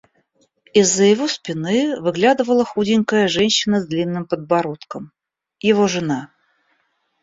Из-за его спины выглядывала худенькая женщина с длинным подбородком — его жена.